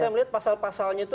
saya melihat pasal pasalnya itu